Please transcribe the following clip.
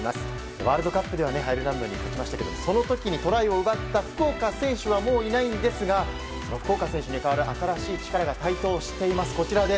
ワールドカップではアイルランドに負けましたがその時トライを奪った福岡選手はもういないんですがその福岡選手に代わる新しい力が台頭しています。